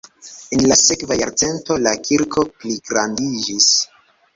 En la sekva jarcento la kirko pligrandiĝis.